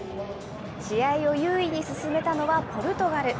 試合を優位に進めたのはポルトガル。